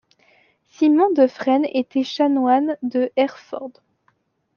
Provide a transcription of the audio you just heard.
Simon de Fresne était chanoine de Hereford.